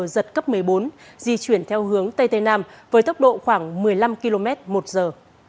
giật cấp một mươi bốn di chuyển theo hướng tây tây nam với tốc độ khoảng một mươi năm km một giờ